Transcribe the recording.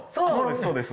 そうです。